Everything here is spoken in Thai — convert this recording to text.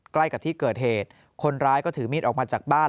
ใกล้กับที่เกิดเหตุคนร้ายก็ถือมีดออกมาจากบ้าน